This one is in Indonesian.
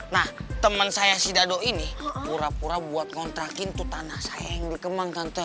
nah temen saya si dado ini pura pura buat ngontrakin tuh tanah saya yang dikembang tante